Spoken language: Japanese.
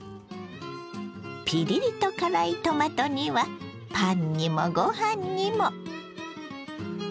ピリリと辛いトマト煮はパンにもご飯にも。